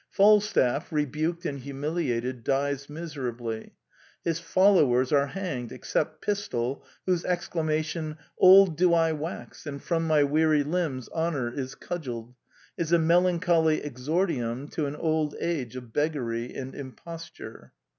Falstaff, rebuked and humiliated, dies miserably. His followers are hanged, except Pistol, whose exclamation ^'Old do I wax; and from my weary limbs honor is cudgelled" is a melancholy exordium to an old age of beggary and imposture.